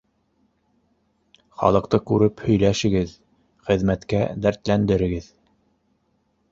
Ха лыҡты күреп һөйләшегеҙ, хеҙмәткә дәртләндерегеҙ